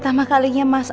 jangan shade ya mas